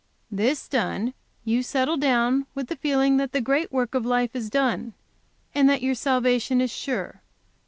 This done, you settle down with the feeling that the great work of life is done, and that your salvation is sure.